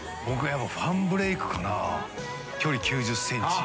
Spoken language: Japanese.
僕やっぱファンブレイクかな距離９０ｃｍ。